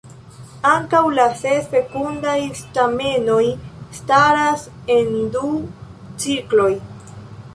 Ankaŭ la ses fekundaj stamenoj staras en du cirkloj.